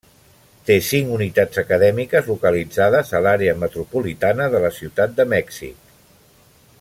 Té cinc unitats acadèmiques localitzades a l'àrea metropolitana de la ciutat de Mèxic.